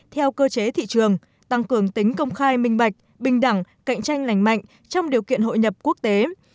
theo cơ chế thị trường tăng cường tính công khai minh bạch bình đẳng cạnh tranh lành mạnh trong điều kiện hội nhập quốc tế